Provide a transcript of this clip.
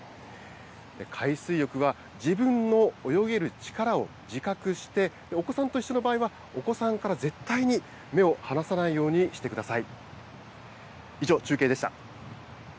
海水浴は自分の泳げる力を自覚して、お子さんと一緒の場合は、お子さんから絶対に目を離さないようにしてください。